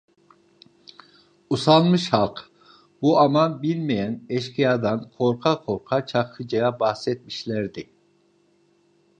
Usanmış halk, bu aman bilmeyen eşkıyadan korka korka Çakıcı'ya bahsetmişlerdi.